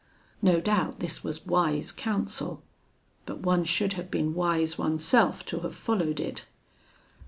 No doubt this was wise counsel; but, one should have been wise oneself to have followed it.